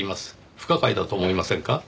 不可解だと思いませんか？